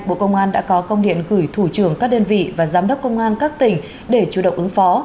bộ công an đã có công điện gửi thủ trưởng các đơn vị và giám đốc công an các tỉnh để chủ động ứng phó